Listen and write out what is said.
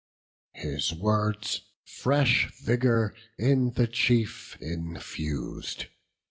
His words fresh vigour in the chief infus'd.